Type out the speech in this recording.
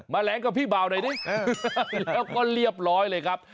แหลงกับพี่บ่าวหน่อยดิแล้วก็เรียบร้อยเลยครับ